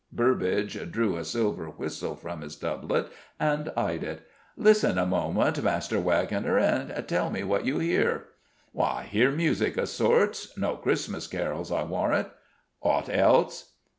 Burbage drew a silver whistle from his doublet and eyed it. "Listen a moment, master wagoner, and tell me what you hear." "I hear music o' sorts. No Christmas carols, I warrant." "Aught else?"